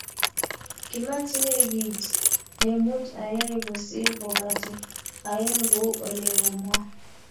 Kimatinye kit ne much ayai kosir kopate ayan kou olekomwa